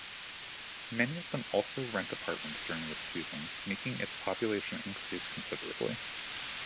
Many of them also rent apartments during this season, making its population increase considerably.